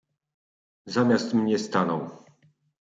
"Zamiast mnie stanął."